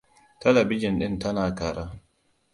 Talabijin din tana kara.